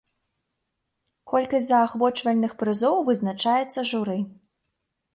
Колькасць заахвочвальных прызоў вызначаецца журы.